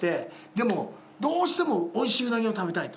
でもどうしてもおいしいうなぎを食べたいと。